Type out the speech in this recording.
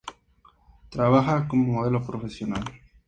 Trabaja como modelo profesional.